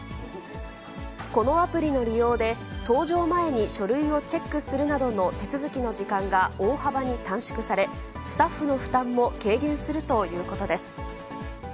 このアプリの利用で、搭乗前に書類をチェックするなどの手続きの時間が大幅に短縮され、スタッフの負担も軽減するということです。